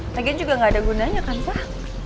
lagian juga gak ada gunanya kan pak